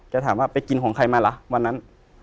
จะถามว่าไปกินของใครมาล่ะวันนั้น